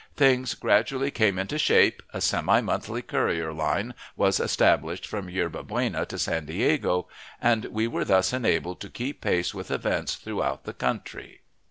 Things gradually came into shape, a semi monthly courier line was established from Yerba Buena to San Diego, and we were thus enabled to keep pace with events throughout the country.